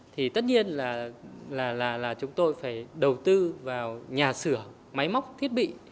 thì tất nhiên là chúng tôi phải đầu tư vào nhà sửa máy móc thiết bị